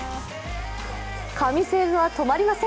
神セーブは止まりません。